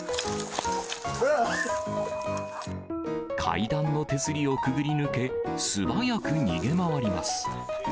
階段の手すりをくぐり抜け、素早く逃げ回ります。